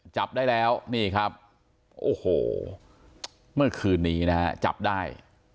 จับได้แล้วนี่ครับโอ้โหเมื่อคืนนี้นะฮะจับได้